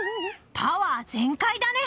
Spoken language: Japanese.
パワー全開だね！